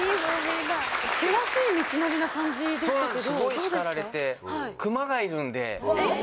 険しい道のりな感じでしたけど？